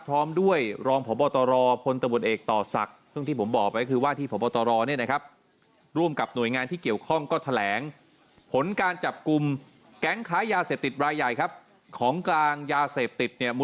พร้อมด้วยรองหมตรพนตะบลเอภต่อศักดิ์